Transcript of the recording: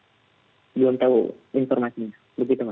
tidak tahu informasinya